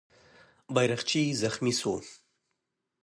بیرغچی زخمي سو.